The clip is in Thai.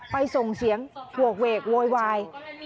ส่งเสียงโหกเวกโวยวาย